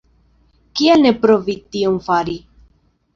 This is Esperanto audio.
Kial ne provi tion fari?